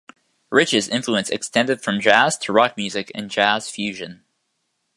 Rich's influence extended from jazz to rock music and jazz fusion.